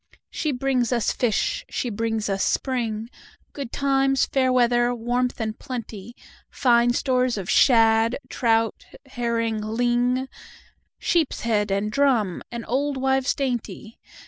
She brings us fish—she brings us spring, Good times, fair weather, warmth, and plenty, Fine stores of shad, trout, herring, ling, Sheepshead and drum, and old wives dainty.